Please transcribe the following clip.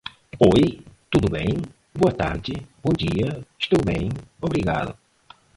oi tudo bem boa tarde bom dia estou bem obrigado